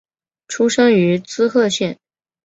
出身于滋贺县。